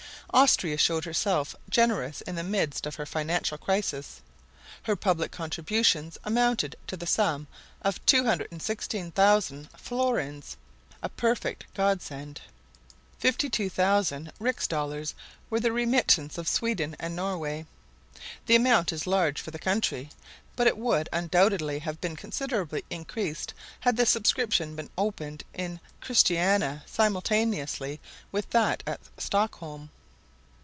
Austria showed herself generous in the midst of her financial crisis. Her public contributions amounted to the sum of 216,000 florins—a perfect godsend. Fifty two thousand rix dollars were the remittance of Sweden and Norway; the amount is large for the country, but it would undoubtedly have been considerably increased had the subscription been opened in Christiana simultaneously with that at Stockholm.